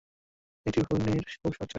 একটা ভাগ্নির খুব শখ ছিল আমার।